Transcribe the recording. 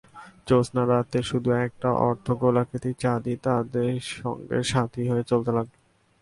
জ্যোৎস্না রাতে শুধু একটা অর্ধ-গোলাকৃতি চাঁদই তাদের সঙ্গে সাথি হয়ে চলতে লাগল।